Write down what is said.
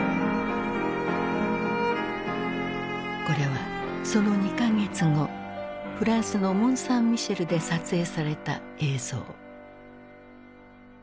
これはその２か月後フランスのモン・サン・ミシェルで撮影された映像。